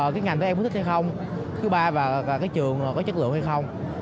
cái ngành các em có thích hay không thứ ba là cái trường có chất lượng hay không